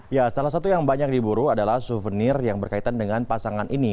ya salah satu yang banyak diburu adalah souvenir yang berkaitan dengan pasangan ini